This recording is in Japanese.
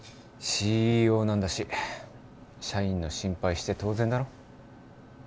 ＣＥＯなんだし社員の心配して当然だろ？